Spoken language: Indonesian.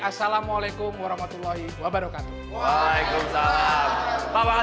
assalamualaikum warahmatullahi wabarakatuh